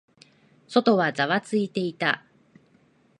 外はざわついていた。